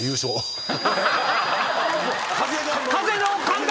風の感覚。